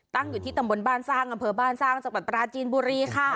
อยู่ที่ตำบลบ้านสร้างอำเภอบ้านสร้างจังหวัดปราจีนบุรีค่ะ